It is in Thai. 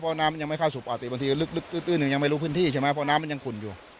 เพราะน้ำมันยังไม่เข้าสู่ปกติบางทีลึกตื้นยังไม่รู้พื้นที่ใช่ไหมเพราะน้ำมันยังขุ่นอยู่